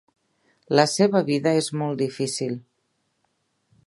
La seva vida és molt difícil.